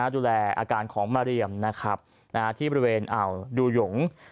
ดูแลอาการของมาเรียมนะครับที่บริเวณอ่าวดูหยง